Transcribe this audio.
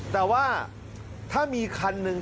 แต่ว่าถ้ามีคันหนึ่ง